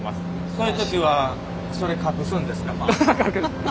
そういう時はそれ隠すんですか？